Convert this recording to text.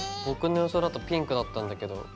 僕の予想だとピンクだったんだけど。